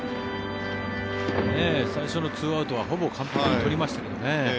最初の２アウトはほぼ完璧に取りましたけどね。